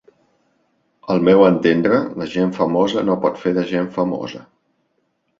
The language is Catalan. Al meu entendre, la gent famosa no pot fer de gent famosa.